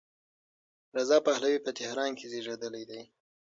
رضا پهلوي په تهران کې زېږېدلی دی.